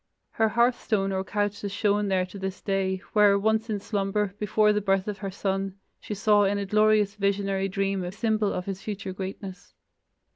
Her hearth stone or couch is shown there to this day, where once in slumber, before the birth of her son, she saw in a glorious visionary dream a symbol of his future greatness.